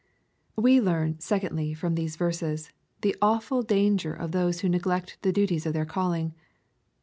We learn, secondly, from these verses, the awful danger of those who neglect the duties of their calling.